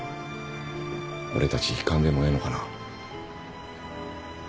俺たち行かんでもええのかな？